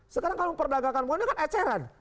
sekarang kalau memperdagangkan bukan kan eceran